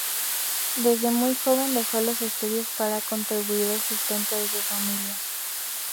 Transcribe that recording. Desde muy joven dejó los estudios para contribuir al sustento de su familia.